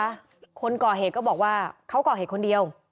คนก่อเหตุก็บอกว่าเขาก่อเหตุคนเดียว